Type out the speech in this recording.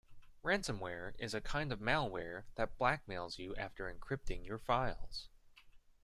Ransomware is the kind of malware that blackmails you after encrypting your files.